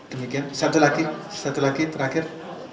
demikian satu lagi satu lagi terakhir